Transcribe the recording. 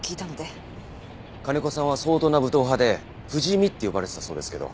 金子さんは相当な武闘派で不死身って呼ばれてたそうですけど。